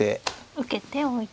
受けておいて。